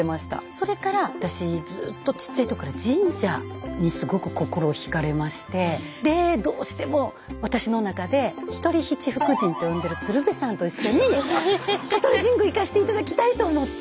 それから私ずっとちっちゃい時から神社にすごく心をひかれましてでどうしても私の中で「ひとり七福神」と呼んでる鶴瓶さんと一緒に香取神宮行かして頂きたいと思って。